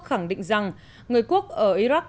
khẳng định rằng người quốc ở iraq